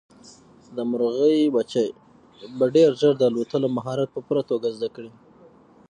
د مرغۍ بچي به ډېر ژر د الوتلو مهارت په پوره توګه زده کړي.